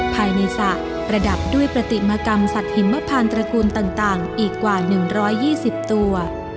ภายในสระประดับด้วยปฏิมากรรมสัตว์หิมพานตระกูลต่างอีกกว่า๑๒๐ตัว